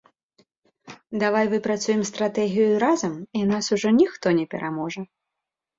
Давай выпрацуем стратэгію разам і нас ужо ніхто не пераможа.